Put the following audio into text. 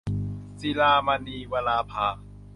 ศิลามณี - วราภา